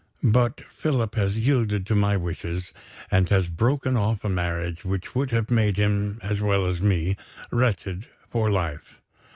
But Philip has yielded to my wishes, and has broken off a marriage which would have made him, as well as me, wretched for life.